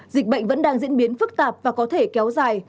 dịch bệnh vẫn đang diễn biến phức tạp và có thể kéo dài